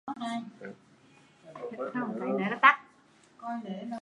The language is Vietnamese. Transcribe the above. hi vọng chợt bừng lên, ông phúc nghĩ